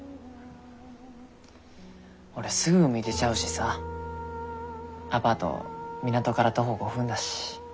俺すぐ海出ちゃうしさアパート港から徒歩５分だし。